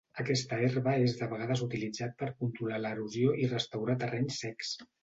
Aquesta herba és de vegades utilitzat per controlar l'erosió i restaurar terrenys secs.